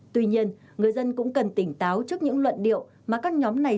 tuy nhiên người dân cũng cần tỉnh táo trước những luận điệu mà các nhóm này